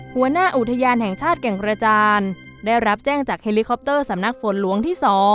หัวหน้าอุทยานแห่งชาติแก่งกระจานได้รับแจ้งจากเฮลิคอปเตอร์สำนักฝนหลวงที่๒